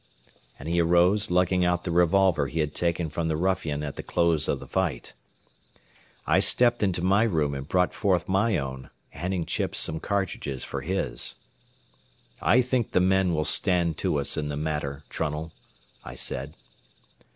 And he arose, lugging out the revolver he had taken from the ruffian at the close of the fight. I stepped into my room and brought forth my own, handing Chips some cartridges for his. "I think the men will stand to us in the matter, Trunnell," I said.